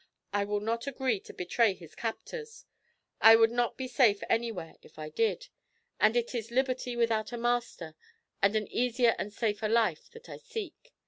I will not agree to betray his captors; I would not be safe anywhere if I did; and it is liberty without a master, and an easier and a safer life, that I seek.